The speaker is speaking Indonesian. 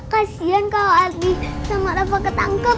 kasian kalau ali sama rafa ketangkep